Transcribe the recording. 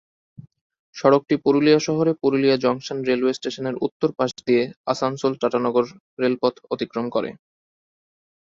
সড়কটি পুরুলিয়া শহরে Purulia junction railway স্টেশনের উত্তর পাশ দিয়ে আসানসোল-টাটানগর রেলপথ অতিক্রম করে।